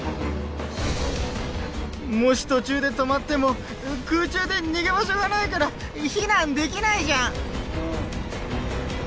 もし途中で止まっても空中で逃げ場所がないから避難できないじゃん！